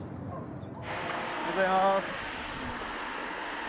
おはようございます。